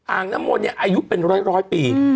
อ่างน้ำมนต์เนี่ยอายุเป็นร้อยปี